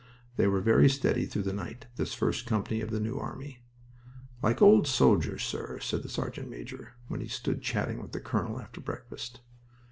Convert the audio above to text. They were very steady through the night, this first company of the New Army. "Like old soldiers, sir," said the sergeant major, when he stood chatting with the colonel after breakfast.